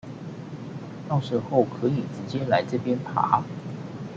到時候可以直接來這邊爬